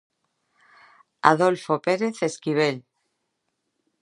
Adolfo Pérez Esquivel.